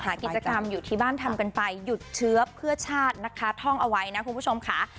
กิจกรรมอยู่ที่บ้านทำกันไปหยุดเชื้อเพื่อชาตินะคะท่องเอาไว้นะคุณผู้ชมค่ะ